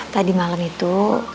tadi malam itu